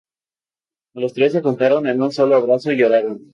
Los tres se juntaron en un solo abrazo y lloraron.